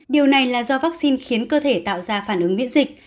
điều này là do vaccine khiến cơ thể tạo ra phản ứng miễn dịch